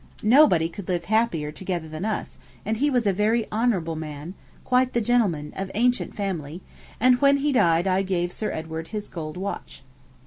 Nobody could live happier together than us: and he was a very honourable man, quite the gentleman, of ancient family; and when he died I gave Sir Edward his gold watch.'